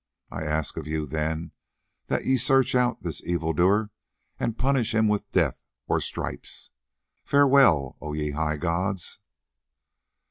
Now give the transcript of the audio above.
I ask of you then that ye search out this evil doer and punish him with death or stripes. Farewell, O ye high gods."